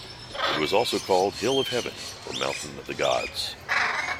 It was also called Hill of Heaven or Mountain of the gods.